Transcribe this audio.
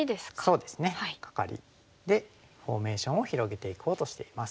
そうですねカカリ。でフォーメーションを広げていこうとしています。